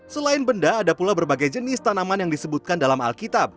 selain benda ada pula berbagai jenis tanaman yang disebutkan dalam alkitab